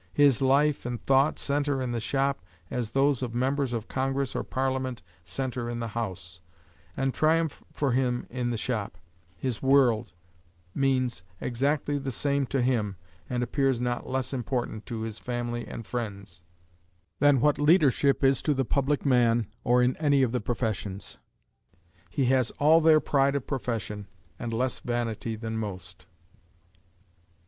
His life and thought centre in the shop as those of members of Congress or Parliament centre in the House; and triumph for him in the shop, his world, means exactly the same to him, and appears not less important to his family and friends than what leadership is to the public man, or in any of the professions. He has all their pride of profession, and less vanity than most.